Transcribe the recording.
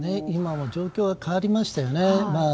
今、状況は変わりましたよね。